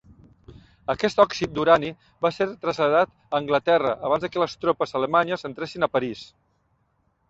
Aquest òxid d'urani va ser traslladat a Anglaterra abans que les tropes alemanyes entressin a París.